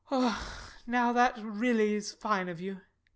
_] Now, that really is fine of you!